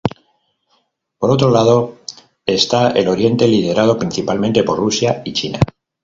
Por otro lado está el oriente liderado principalmente por Rusia y China.